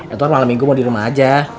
edward malam minggu mau di rumah aja